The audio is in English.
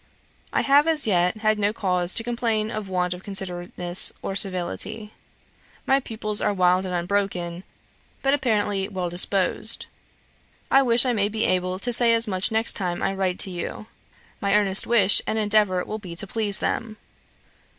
I have as yet had no cause to complain of want of considerateness or civility. My pupils are wild and unbroken, but apparently well disposed. I wish I may be able to say as much next time I write to you. My earnest wish and endeavour will be to please them.